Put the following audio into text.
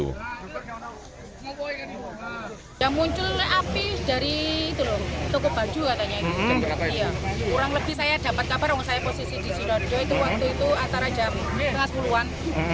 kurang lebih saya dapat kabar sama saya posisi di sidoarjo itu waktu itu antara jam setengah sepuluh an